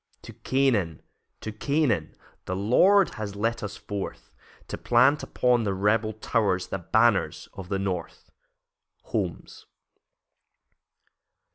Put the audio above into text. To Canaan, to Canaan, The Lord has led us forth, To plant upon the rebel towers The banners of the North. Holmes.